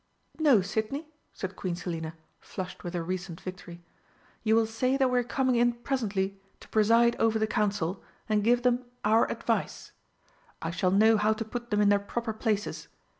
"No, Sidney," said Queen Selina, flushed with her recent victory, "you will say that we are coming in presently to preside over the Council and give them our advice. I shall know how to put them in their proper places.